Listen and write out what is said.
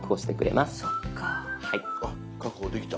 あっ確保できた。